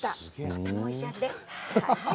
とてもおいしい味です。